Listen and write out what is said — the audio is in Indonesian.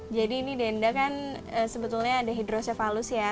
jadi ini denda kan sebetulnya ada hidrosefalus ya